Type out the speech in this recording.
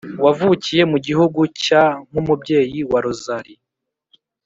(wavukiye mu gihugu cya nk’umubyeyi wa rozari